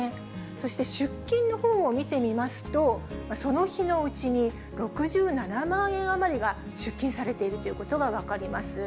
そして出金のほうを見てみますと、その日のうちに６７万円余りが出金されているということが分かります。